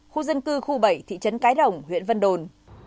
khu dân cư khu bảy thị trấn cái đồng huyện vân đồn